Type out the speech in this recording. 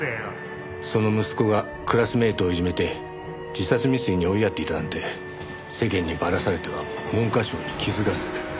その息子がクラスメートをいじめて自殺未遂に追いやっていたなんて世間にばらされては文科省に傷がつく。